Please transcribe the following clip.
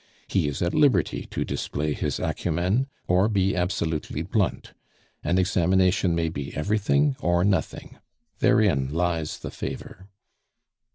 He is at liberty to display his acumen or be absolutely blunt. An examination may be everything or nothing. Therein lies the favor.